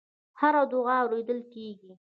هره دعا اورېدل کېږي.